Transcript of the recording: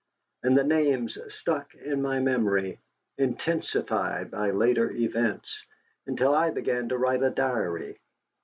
And the names stuck in my memory, intensified by later events, until I began to write a diary.